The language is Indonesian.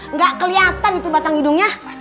nggak kelihatan itu batang hidungnya